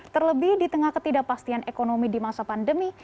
terlebih di tengah ketidakpastian ekonomi di masa pandemi